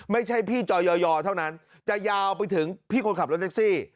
ไม่ใช่พี่จอยอยเท่านั้นจะยาวไปถึงพี่คนขับรถแท็กซี่